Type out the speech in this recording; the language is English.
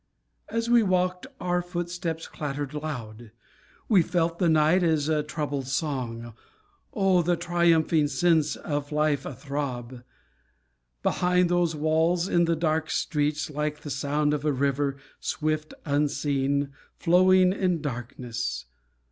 As we walked our footsteps clattered loud. We felt the night as a troubled song ... Oh, the triumphing sense of life a throb. Behind those walls, in those dark streets, Like the sound of a river, swift, unseen, Flowing in darkness.